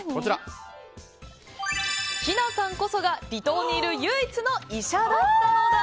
ヒナさんこそが離島にいる唯一の医者だったのだ。